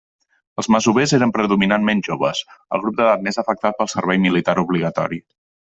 Els masovers eren predominantment joves, el grup d'edat més afectat pel servei militar obligatori.